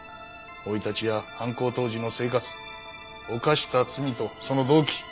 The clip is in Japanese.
生い立ちや犯行当時の生活犯した罪とその動機。